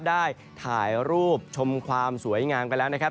ได้ถ่ายรูปชมความสวยงามกันแล้วนะครับ